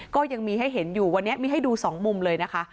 ก็ยังมีให้เห็นอยู่วันนี้มีให้ดูสองมุมเลยนะคะ